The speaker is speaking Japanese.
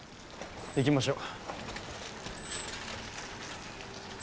行きましょう。